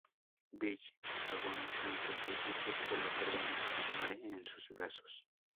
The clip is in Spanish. Bill, agonizante, le dice que lo perdone y muere en sus brazos.